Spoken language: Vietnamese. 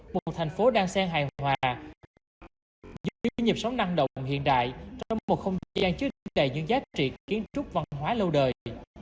một thành phố đang xen hài hòa giữ nhiệm sống năng động hiện đại trong một không gian chứa đầy những giá trị kiến trúc văn hóa lâu đời